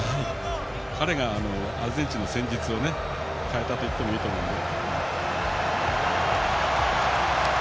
彼がアルゼンチンの戦術を変えたといってもいいと思います。